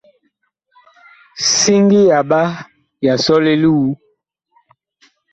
Siŋgi yaɓa ya sɔle li wu.